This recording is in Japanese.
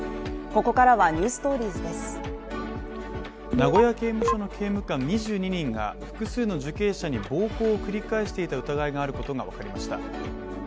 名古屋刑務所の刑務官２２人が複数の受刑者に暴行を繰り返していた疑いがあることが分かりました。